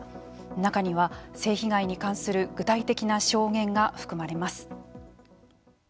中には、性被害に関する具体的な証言が含まれます。